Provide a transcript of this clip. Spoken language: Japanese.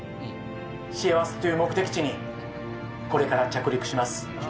幸せという目的地にこれから着陸します。